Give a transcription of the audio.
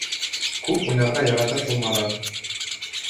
Күп уйнарға ярата шул Марат.